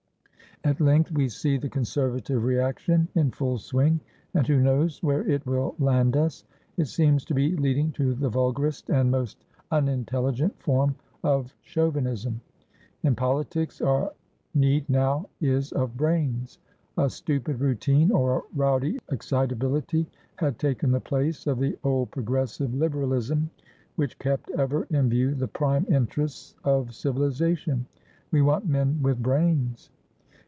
At length we see the Conservative reaction in full swing, and who knows where it will land us? It seems to be leading to the vulgarest and most unintelligent form of chauvinism. In politics our need now is of brains. A stupid routine, or a rowdy excitability, had taken the place of the old progressive Liberalism, which kept ever in view the prime interests of civilisation. We want men with brains."